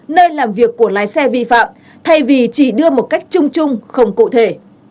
nơi làm việc của lái xe vi phạm thay vì chỉ đưa một cách chung chung không cụ thể